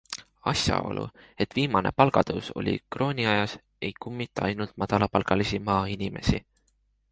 Asjaolu, et viimane palgatõus oli krooniajas, ei kummita ainult madalapalgalisi maainimesi.